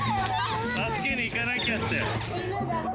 助けに行かなきゃって。